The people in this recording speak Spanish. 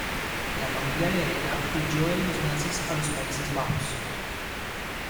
La familia de Helga huyó de los nazis a los Países Bajos.